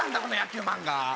この野球漫画！？